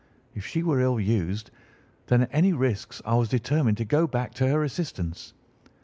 If she were ill used, then at any risks I was determined to go back to her assistance.